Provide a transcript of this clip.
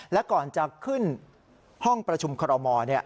และก่อนจะขึ้นห้องประชุมคอรมอล